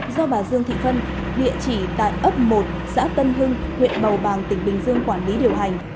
do bà dương thị phân địa chỉ tại ấp một xã tân hưng huyện bầu bàng tỉnh bình dương quản lý điều hành